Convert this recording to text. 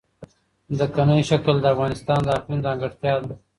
ځمکنی شکل د افغانستان د اقلیم ځانګړتیا ده.